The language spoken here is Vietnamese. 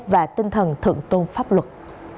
và tinh thần thượng tôn pháp luật